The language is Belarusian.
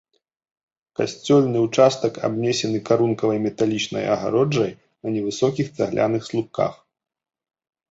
Касцёльны ўчастак абнесены карункавай металічнай агароджай на невысокіх цагляных слупках.